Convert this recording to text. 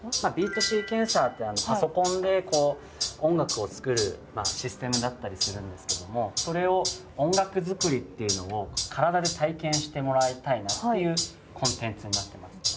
ビートシーケンサーってパソコンで音楽を作るシステムだったりするんですけどもそれを音楽作りっていうのを体で体験してもらいたいなっていうコンテンツになってます。